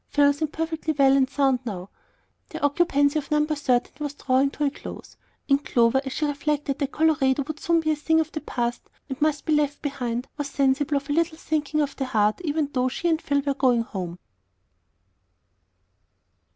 Phil seemed perfectly well and sound now; their occupancy of No. 13 was drawing to a close; and Clover, as she reflected that Colorado would soon be a thing of the past, and must be left behind, was sensible of a little sinking of the heart even though she and Phil were going home.